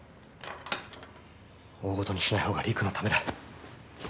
大ごとにしないほうが陸のためだ。